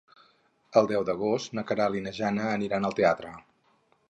El deu d'agost na Queralt i na Jana aniran al teatre.